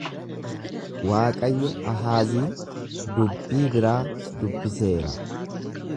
Waaqayyo Ahaaziin dubbii biraa dubbiseera.